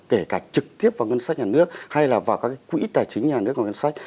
kể cả trực tiếp vào ngân sách nhà nước hay là vào các quỹ tài chính nhà nước và ngân sách